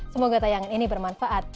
semoga tayangan ini bermanfaat